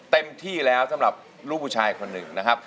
เต็มที่แล้วสำหรับลูกผู้ชายคนหนึ่งนะครับ